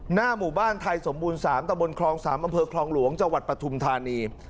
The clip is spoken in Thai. หน้าหมู่บ้านไทยสมบูรณ์๓ตะบนคลอง๓อำเภอคลองหลวงจังหวัดปฐุมธานี